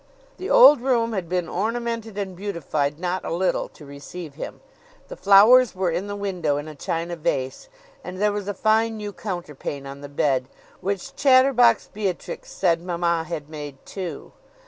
The old room had been ornamented and beautified not a little to receive him. The flowers were in the window in a china vase; and there was a fine new counterpane on the bed, which chatterbox Beatrix said mamma had made too.